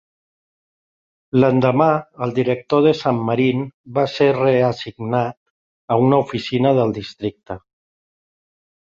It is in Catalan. L'endemà, el director de Sant Marín va ser reassignat a una oficina del districte.